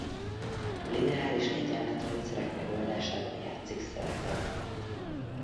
Lineáris egyenletrendszerek megoldásában játszik szerepet.